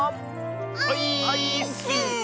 オイーッス！